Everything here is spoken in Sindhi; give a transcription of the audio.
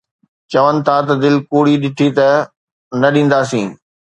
چون ٿا ته دل ڪوڙي ڏٺي ته نه ڏينداسين